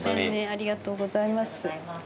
ありがとうございます。